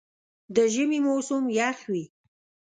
د ژمي موسم یخ وي.